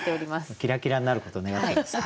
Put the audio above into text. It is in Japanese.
キラキラになることを願っています。